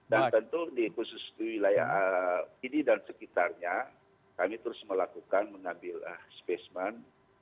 dan tentu di khusus wilayah ini dan sekitarnya kami terus melakukan mengambil spesmen